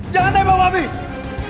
jangan tembak bobby